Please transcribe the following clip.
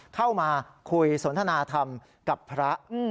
เข้ามาคุยสนทนาธรรมกับพระ